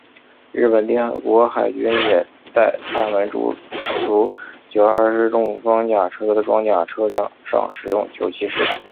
日本帝国海军也在他们诸如九二式重装甲车的装甲车辆上使用九七式。